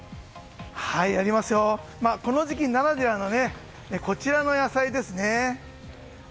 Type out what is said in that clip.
この時期ならではのこちらの野菜ですね。